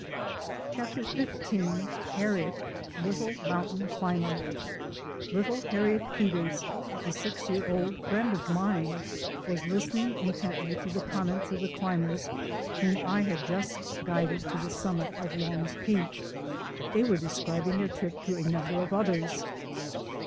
CHAPTER XV HARRIET — LITTLE MOUNTAIN CLIMBER LITTLE Harriet Peters, a six year old friend of mine, was listening intently to the com ments of the climbers whom I had just guided to the summit of Long's Peak. They were describing their trip to a number of others.